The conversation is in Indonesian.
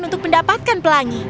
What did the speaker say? untuk mendapatkan pelangi